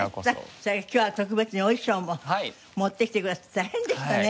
それで今日は特別にお衣装も持ってきてくださって大変でしたね。